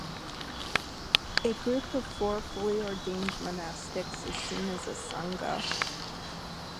A group of four fully ordained monastics is seen as a sangha.